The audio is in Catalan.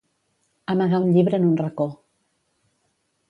Amagar un llibre en un racó.